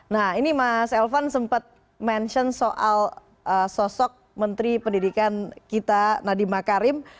nah ini mas elvan sempat mention soal sosok menteri pendidikan kita nadiem makarim